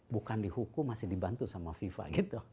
bukan dihukum masih dibantu sama fifa gitu